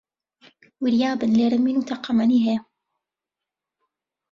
وریا بن، لێرە مین و تەقەمەنی هەیە